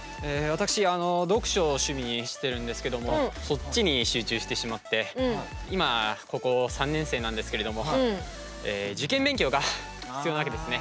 私、読書を趣味にしてるんですけどもそっちに集中してしまって今、高校３年生なんですけれども受験勉強が必要なわけですね。